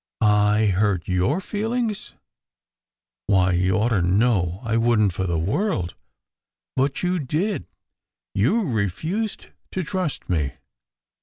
"I hurt your feelings? Why, you ought to know I wouldn t for the world " "But you did. You refused to trust me.